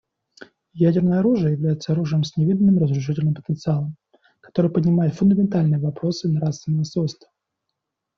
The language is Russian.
Ядерное оружие является оружием с невиданным разрушительным потенциалом, который поднимает фундаментальные вопросы нравственного свойства.